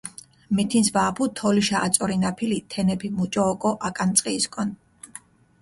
მითინს ვა აფუდჷ თოლიშა აწორინაფილი, თენეფი მუჭო ოკო აკანწყიისკონ.